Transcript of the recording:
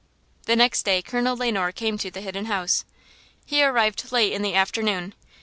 The next day Colonel Le Noir came to the Hidden House. He arrived late in the afternoon.